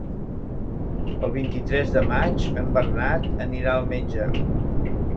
El vint-i-tres de maig en Bernat anirà al metge.